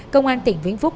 công an tỉnh vĩnh phúc